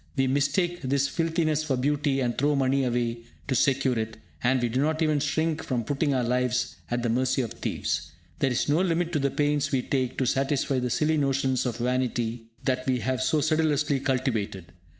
We mistake this filthiness for beauty, and throw money away to secure it; and we do not even shrink from putting our lives at the mercy of thieves. There is no limit to the pains we take to satisfy the silly notions of vanity that we have so sedulously cultivated.